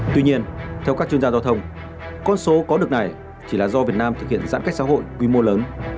tuy nhiên theo các chuyên gia giao thông con số có được này chỉ là do việt nam thực hiện giãn cách xã hội quy mô lớn